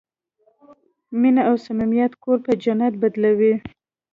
مینه او صمیمیت کور په جنت بدلوي.